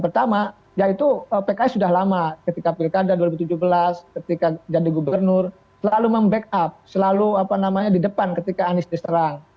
pertama yaitu pks sudah lama ketika pilkada dua ribu tujuh belas ketika jadi gubernur selalu membackup selalu apa namanya di depan ketika anies diserang